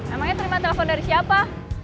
emangnya terima telepon dari siapa